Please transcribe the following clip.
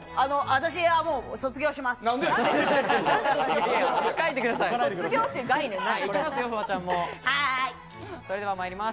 私は卒業します。